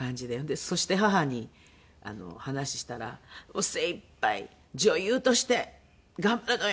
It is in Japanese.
そして母に話したら「精いっぱい女優として頑張るのよ！」。